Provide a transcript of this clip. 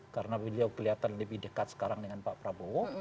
karena beliau kelihatan lebih dekat sekarang dengan pak prabowo